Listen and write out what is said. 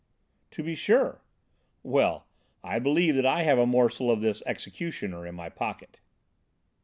"To be sure." "Well, I believe that I have a morsel of this 'executioner' in my pocket."